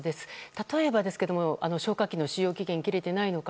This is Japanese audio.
例えば消火器の使用期限が切れてないか